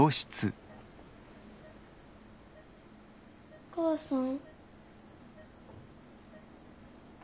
お母さん？